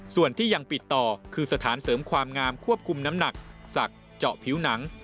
ส่วนที่ยังปิดต่อคือสถานเสริมความงามควบคุมน้ำหนักศักดิ์เจาะผิวหนัง